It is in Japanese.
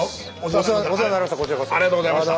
ありがとうございます。